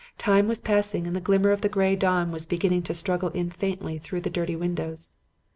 Time was passing and the glimmer of the gray dawn was beginning to struggle in faintly through the dirty windows.